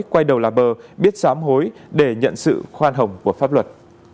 quay đầu là bờ biết giám hối để nhận sự khoan hồng của pháp luật